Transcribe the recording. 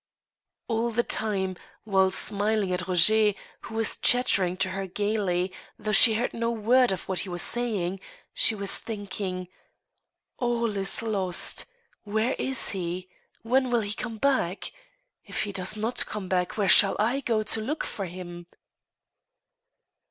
All the time, while smiling at Roger, who was chattering to her gayly, though she heard no word of what he was saying, she was thinking :" All is lost ! Where is he ? When will he come back? If he does not come back, where shall I go to look for him